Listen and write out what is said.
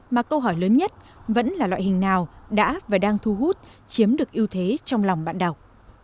mà câu hỏi lớn nhất vẫn là loại hình nào đã và đang thu hút chiếm được ưu thế trong lòng bạn đọc